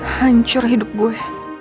hancur hidup gue